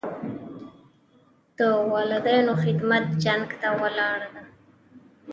د والدینو خدمت جنت ته لاره ده.